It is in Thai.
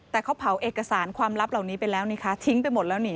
แต่เขาเผาเอกสารความลับเหล่านี้ไปแล้วนี่คะทิ้งไปหมดแล้วนี่